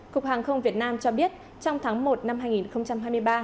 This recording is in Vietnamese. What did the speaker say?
cục hàng không việt nam cho biết trong tháng một năm hai nghìn hai mươi ba